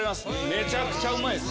めちゃくちゃうまいです。